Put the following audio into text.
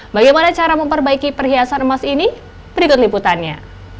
bagaimana cara memperbaiki perhiasan emas ini berikut liputannya